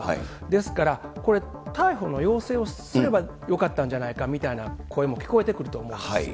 ですから、これ、逮捕の要請をすればよかったんじゃないかみたいな声も聞こえてくると思うんですよ。